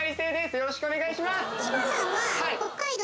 よろしくお願いします